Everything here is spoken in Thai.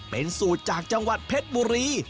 เป็นสูตรจากจังหวัดเพชรบุรี